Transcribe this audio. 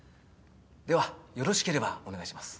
ではよろしければお願いします。